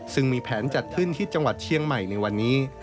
ซึ่งมีแผนจัดขึ้นที่จังหวัดเชียงใหม่ในวันนี้